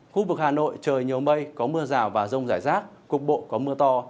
khu vực hà nội trời nhiều mây có mưa rào và rông rải rác cục bộ có mưa to